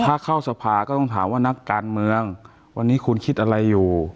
ถ้าเข้าสภาก็ต้องถามว่านักการเมืองวันนี้คุณคิดอะไรอยู่